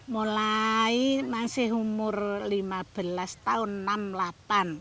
mulai masih umur lima belas tahun enam puluh delapan